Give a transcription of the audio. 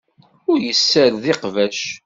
Ur yessared iqbac.